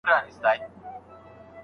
شاګرد د نويو علمي بحثونو لېواله دی.